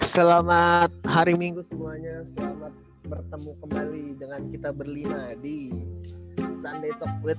selamat hari minggu semuanya selamat bertemu kembali dengan kita berlima di sundaitock with